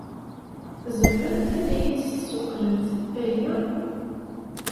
Tzemremt ad iyi-d-tessuqqlemt aya?